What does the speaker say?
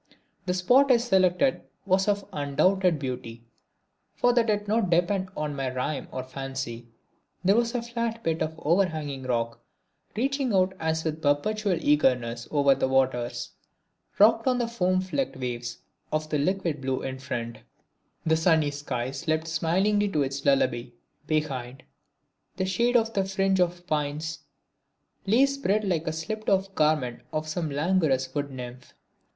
The spot I selected was of undoubted beauty, for that did not depend on my rhyme or fancy. There was a flat bit of overhanging rock reaching out as with a perpetual eagerness over the waters; rocked on the foam flecked waves of the liquid blue in front, the sunny sky slept smilingly to its lullaby; behind, the shade of the fringe of pines lay spread like the slipped off garment of some languorous wood nymph.